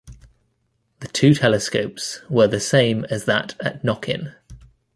The two telescopes were the same as that at Knockin.